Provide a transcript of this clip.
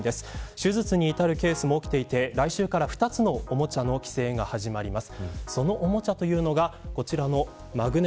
手術に至るケースも起きていて来週から２つのおもちゃの規制が始まります。